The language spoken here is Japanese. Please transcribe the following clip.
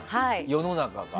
世の中が。